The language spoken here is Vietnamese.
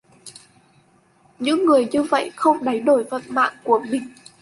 Những người như vậy không đánh đổi vận mạng của mình